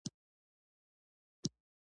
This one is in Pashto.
په نړۍ کې څلور ډوله هېوادونه دي.